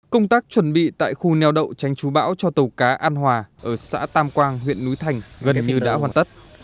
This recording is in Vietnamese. công tác chuẩn bị tại khu neo đậu tránh chú bão cho tàu cá an hòa ở xã tam quang huyện núi thành gần như đã hoàn tất